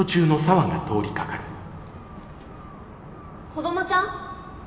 子どもちゃん？